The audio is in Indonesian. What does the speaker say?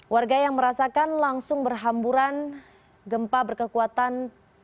warga yang merasakan langsung berhamburan gempa berkekuatan